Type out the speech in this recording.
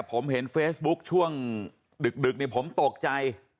ผมเห็นเฟซบุ๊กช่วงดึกผมตกใจ